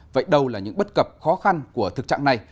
vậy đâu là những bất cập khó khăn của thực trạng này